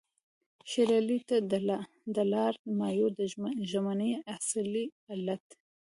شېر علي ته د لارډ مایو د ژمنې اصلي علت.